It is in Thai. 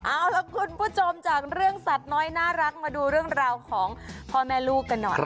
เอาล่ะคุณผู้ชมจากเรื่องสัตว์น้อยน่ารักมาดูเรื่องราวของพ่อแม่ลูกกันหน่อย